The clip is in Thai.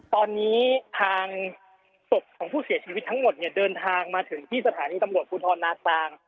ตอนนี้ทางศพของผู้เสียชีวิตทั้งหมดเนี่ยเดินทางมาถึงที่สถานีตำรวจภูทรนากลาง